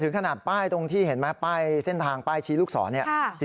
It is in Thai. ถึงขนาดป้ายตรงที่เห็นไหมบ้ายเส้นทางชี้ลูกศร